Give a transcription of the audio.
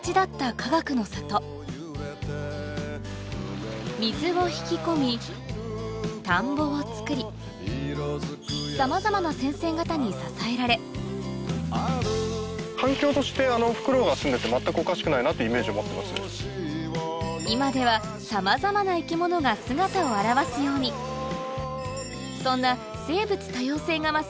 かがくの里水を引き込み田んぼを作りさまざまな先生方に支えられ今ではさまざまな生き物が姿を現すようにそんな生物多様性が増す